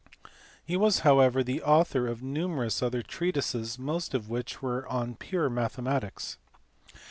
He was however the author of numerous other treatises, most of which were on pure mathematics.